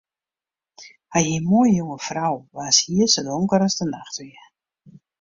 Hy hie in moaie, jonge frou waans hier sa donker as de nacht wie.